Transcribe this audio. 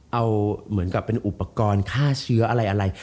เอาเหมือนกับเป็นอุปกรณ์ฆ่าเชื้ออะไร